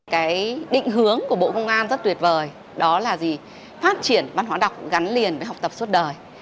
cái định hướng của bộ công an rất tuyệt vời đó là gì phát triển văn hóa đọc gắn liền với học tập suốt đời